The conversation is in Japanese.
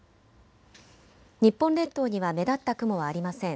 日本列島には目立った雲はありません。